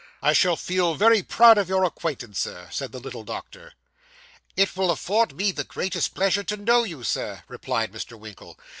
'I shall feel proud of your acquaintance, Sir,' said the little doctor. 'It will afford me the greatest pleasure to know you, sir,' replied Mr. Winkle.